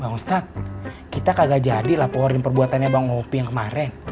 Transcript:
bapak ustadz kita gak jadi laporin perbuatannya bang wopi yang kemarin